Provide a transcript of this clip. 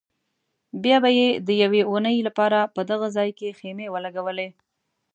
بیا به یې د یوې اونۍ لپاره په دغه ځای کې خیمې ولګولې.